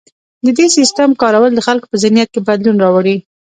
د دې سیستم کارول د خلکو په ذهنیت کې بدلون راوړي.